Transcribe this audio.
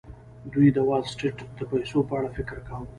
دوی د وال سټریټ د پیسو په اړه فکر کاوه